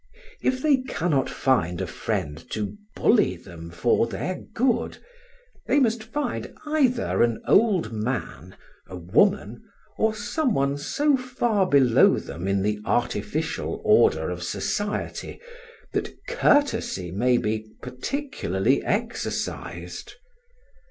If they cannot find a friend to bully them for their good, they must find either an old man, a woman, or some one so far below them in the artificial order of society, that courtesy may be particularly exercised.